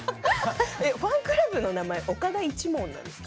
ファンクラブの名前岡田一門なんですか？